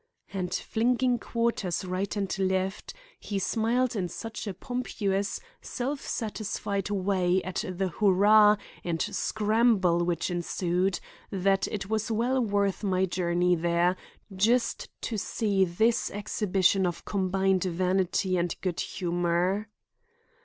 And flinging quarters right and left, he smiled in such a pompous, self satisfied way at the hurrah and scramble which ensued, that it was well worth my journey there just to see this exhibition of combined vanity and good humor.